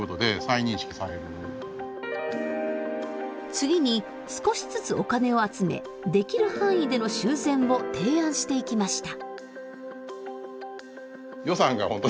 次に少しずつお金を集めできる範囲での修繕を提案していきました。